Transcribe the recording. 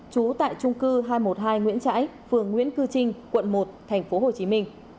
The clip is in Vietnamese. trú tại trung cư hai trăm một mươi hai nguyễn trãi phường nguyễn cư trinh quận một tp hcm